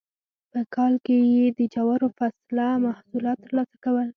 په کال کې یې د جوارو فصله محصولات ترلاسه کول.